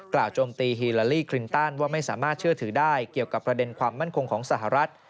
โจมตีฮิลาลีคลินตันว่าไม่สามารถเชื่อถือได้เกี่ยวกับประเด็นความมั่นคงของสหรัฐ